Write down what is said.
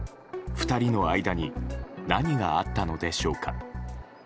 ２人の間に何があったのでしょうか。